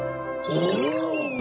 お！